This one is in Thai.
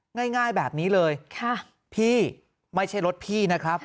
ง่ายแบบนี้เลยพี่ไม่ใช่รถพี่นะครับ